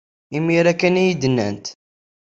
Imir-a kan ay iyi-d-nnant.